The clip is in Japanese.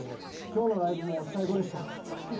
今日のライブも最高でした。